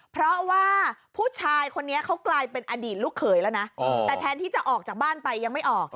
เพราะว่าผู้ชายคนนี้เขากลายเป็นอดีตลูกเขยแล้วนะแต่แทนที่จะออกจากบ้านไปยังไม่ออก